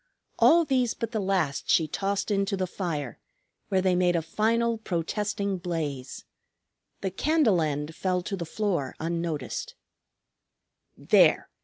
All these but the last she tossed into the fire, where they made a final protesting blaze. The candle end fell to the floor unnoticed. "There!